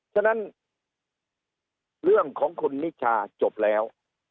ฉะนั้นเรื่องของคุณนิชาจบแล้ว